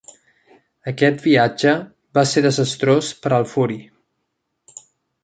Aquest viatge va ser desastrós per al "Fury".